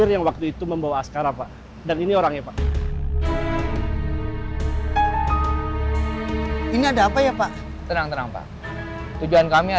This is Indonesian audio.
ya kita pernah